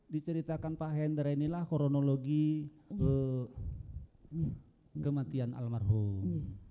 diceritakan pak hendra inilah kronologi kematian almarhum